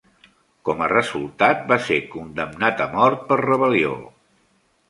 Com a resultat, va ser condemnat a mort per rebel·lió.